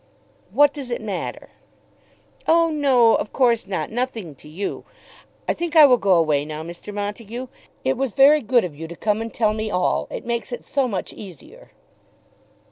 "What does it matter?" "Oh no; of course not; nothing to you. I think I will go away now, Mr. Montague. It was very good of you to come and tell me all. It makes it so much easier."